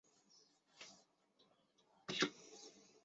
他摘下了职业生涯中的第一个大满贯男子单打锦标。